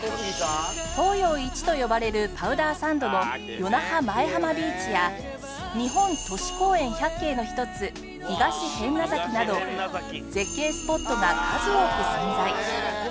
東洋一と呼ばれるパウダーサンドの与那覇前浜ビーチや日本都市公園百景の一つ東平安名崎など絶景スポットが数多く存在